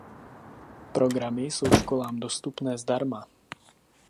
Programy jsou školám dostupné zdarma.